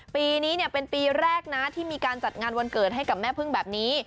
ปีนี้เป็นปีแรกนะที่มีการจัดงานวันเกิดให้กับแม่พึ่งแบบนี้